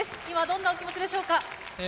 今、どんなお気持ちでしょうか？